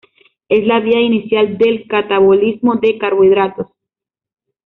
Es la vía inicial del catabolismo de carbohidratos.